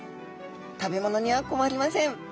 食べ物には困りません。